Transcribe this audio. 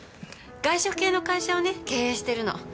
外食系の会社をね経営してるの。